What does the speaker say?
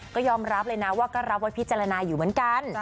ก็ยอมรับเลยนะว่าก็รับไว้พิจารณาอยู่เหมือนกัน